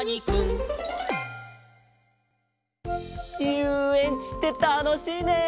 ゆうえんちってたのしいね！